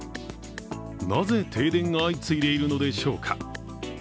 なぜ、停電が相次いでいるのでしょうか。